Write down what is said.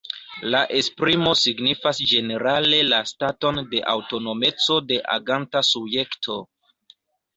La esprimo signifas ĝenerale la staton de aŭtonomeco de aganta subjekto.